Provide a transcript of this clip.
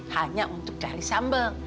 hanya untuk cari sambel